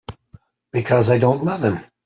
Because I don't love him.